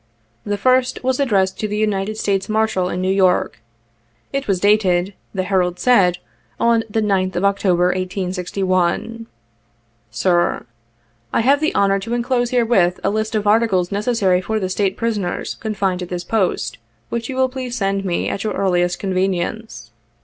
35 The first was addressed to the United States' Marshal in New York. It was dated, the Herald said, on the 9th of October, 1861. "Sir: — I have the honor to enclose herewith, a list of articles necessary for the State prisoners confined at this Post, which you will please send me at your earliest convenience.